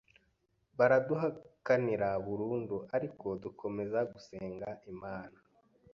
baraduhakanira burundu ariko dukomeza gusenga Imana